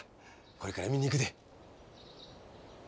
これから見に行くで。